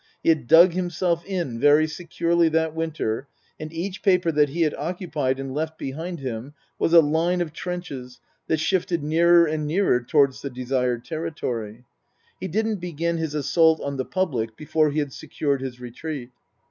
He had dug himself in very securely that winter, and each paper that he had occupied and left behind him was a line of trenches that shifted nearer and nearer towards the desired territory. He didn't begin his assault on the public before he had secured his retreat.